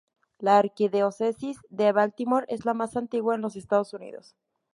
La Arquidiócesis de Baltimore es la más antigua en los Estados Unidos.